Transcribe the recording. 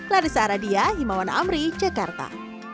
larissa aradia himawan amri jakarta